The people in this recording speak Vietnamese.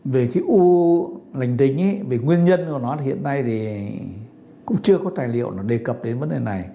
về cái u lành tính về nguyên nhân của nó thì hiện nay thì cũng chưa có tài liệu đề cập đến vấn đề này